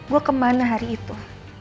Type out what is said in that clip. gue kemana hari itu